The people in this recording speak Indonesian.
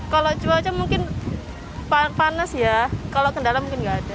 kalau cuaca mungkin panas ya kalau kendala mungkin nggak ada